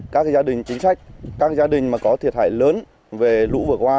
các gia đình chính sách các gia đình mà có thiệt hại lớn về lũ vừa qua